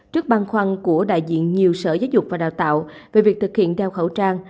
trước băn khoăn của đại diện nhiều sở giáo dục và đào tạo về việc thực hiện đeo khẩu trang